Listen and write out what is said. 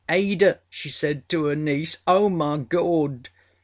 âAda,â she said to her nieceâ¦ Oh, my Gawd!